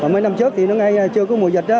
mấy năm trước thì nó ngay chưa có mùa dịch đó